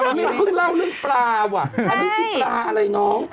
ผมเพิ่งเล่าเรื่องปลาอะไรน้อง